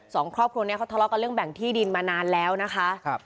สองครอบครัวนี้เขาทะเลาะกันเรื่องแบ่งที่ดินมานานแล้วนะคะ